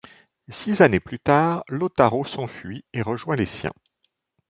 Six années plus tard, Lautaro s'enfuit et rejoint les siens.